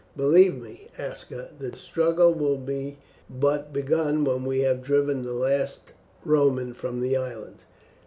Believe me, Aska, the struggle will be but begun when we have driven the last Roman from the island."